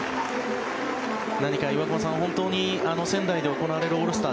何か岩隈さん、本当に仙台で行われるオールスター